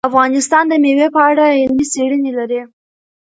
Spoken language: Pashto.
افغانستان د مېوې په اړه علمي څېړنې لري.